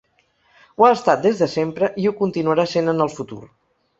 Ho ha estat des de sempre i ho continuarà sent en el futur.